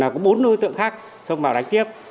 có bốn đối tượng khác xong vào đánh tiếp